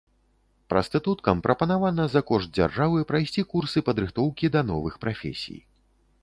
Прастытуткам прапанавана за кошт дзяржавы прайсці курсы падрыхтоўкі да новых прафесій.